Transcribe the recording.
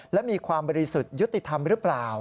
และมีความบริสุทธิ์ยุติธรรมหรือเปล่า